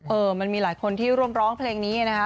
เออมันมีหลายคนที่ร่วมร้องเพลงนี้นะคะ